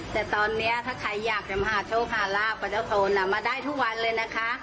แต่ตอนนี้ถ้าใครอยากจะมาหาโชคหาลาบกับเจ้าโทนมาได้ทุกวันเลยนะคะ